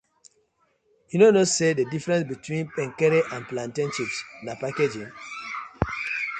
Yu no kno say di difference between Kpekere and plantain chips na packaging.